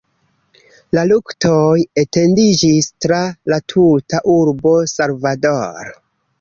La luktoj etendiĝis tra la tuta urbo Salvador.